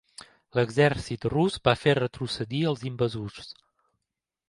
L'exèrcit rus va fer retrocedir als invasors.